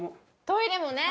トイレもね。